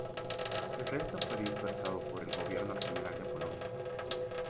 El resto fue dispersado por el Gobierno General de Polonia.